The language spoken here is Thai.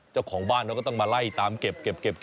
เจ้าของบ้านเขาก็ต้องมาไล่ตามเก็บ